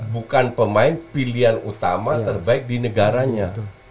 bukan pemain pilihan utama terbaik di negaranya